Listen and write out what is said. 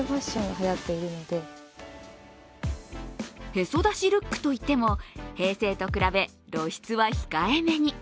へそ出しルックといっても平成と比べ、露出は控えめに。